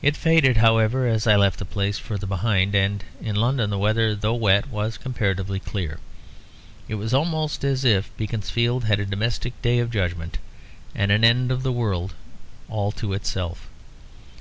It faded, however, as I left the place further behind; and in London the weather, though wet, was comparatively clear. It was almost as if Beaconsfield had a domestic day of judgment, and an end of the world all to itself.